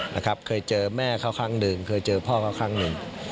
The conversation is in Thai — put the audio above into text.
นะครับเคยเจอแม่เขาครั้งหนึ่งเคยเจอพ่อเขาครั้งหนึ่ง